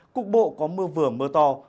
cục bộ có mưa vừa mưa to